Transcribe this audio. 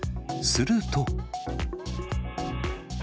すると。